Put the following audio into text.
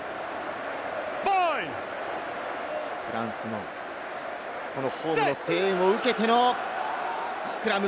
フランスのこのホームの声援を受けてのスクラム。